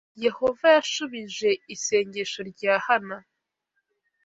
Yehova yashubije isengesho rya Hana